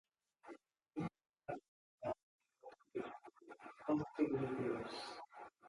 His various books have been met with positive reviews.